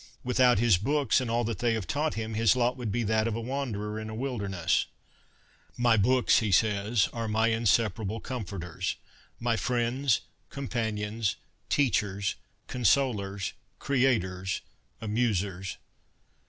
Without his books and all they have taught him his lot would be that of a wanderer in a wilderness. ' My books/ he says, ' are my inseparable comforters — my friends, 22 CONFESSIONS OF A BOOK LOVER companions, teachers, consolers, creators, amusers.'